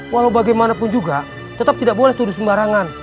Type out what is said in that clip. walau bagaimanapun juga tetap tidak boleh turun sembarangan